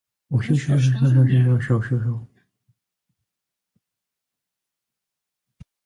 おひょひょひょひょひょひょ